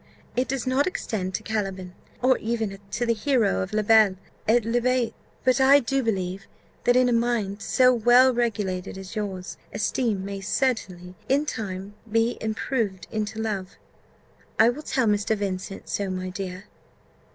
"It does not extend to Caliban, or even to the hero of La Belle et La Bête; but I do believe, that, in a mind so well regulated as yours, esteem may certainly in time be improved into love. I will tell Mr. Vincent so, my dear."